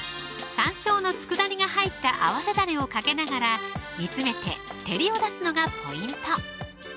山椒の佃煮が入った合わせだれをかけながら煮つめて照りを出すのがポイント